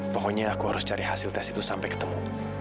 pokoknya aku harus cari hasil tes itu sampai ketemu